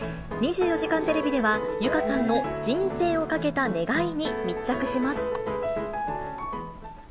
２４時間テレビでは、由佳さんの人生をかけた願いに密着します。